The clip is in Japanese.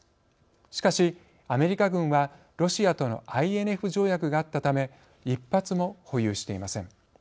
しかし、アメリカ軍はロシアとのＩＮＦ条約があったため１発も保有していません。